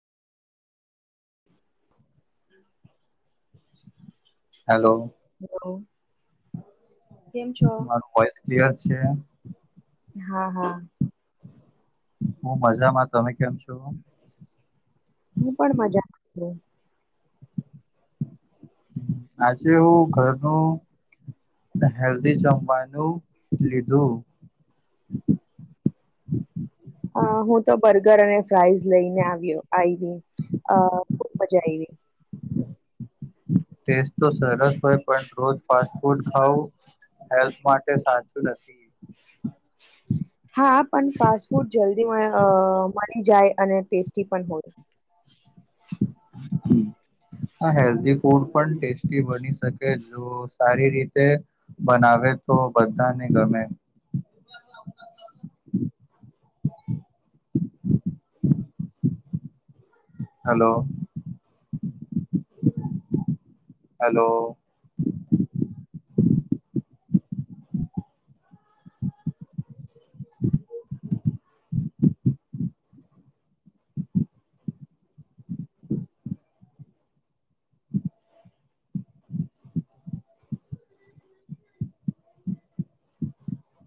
[unintelligible] Hello hello. કેમ છો? મારો વોઇસ ક્લિયર છે? હા હા. હું મજામાં. તમે કેમ છો? હું પણ મજામાં છું. હમ આજે હું ઘરનો હેલ્દી જમવાનું લીધું. હા હું તો બર્ગર અને ફ્રઇઝ લઈને આવ્યો આયવી. અ ખુબ મજા આયવી. ટેસ્ટ તો સરસ હોય પણ રોજ ફાસ્ટ ફૂડ ખાઉં હેલ્થ માટે સાચું નથી. હા પણ ફાસ્ટ ફૂડ જલ્દી મળી જાય અને ટેસ્ટી પણ હોય. હમ હા હેલ્દી ફૂડ પણ ટેસ્ટી બની શકે જો સારી રીતે બનાવે તો બધાને ગમે. Hello hello